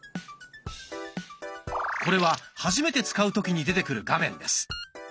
これは初めて使う時に出てくる画面です。